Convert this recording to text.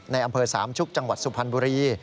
อำเภอสามชุกจังหวัดสุพรรณบุรี